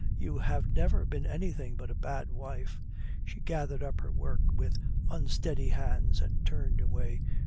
You have never been anything but a bad wife." She gathered up her work with unsteady hands and turned away.